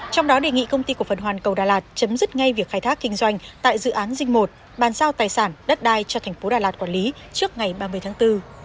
trong đó đề nghị công ty cổ phần hoàn cầu đà lạt chấm dứt ngay việc khai thác kinh doanh tại dự án dinh một bàn sao tài sản đất đai cho thành phố đà lạt quản lý trước ngày ba mươi tháng bốn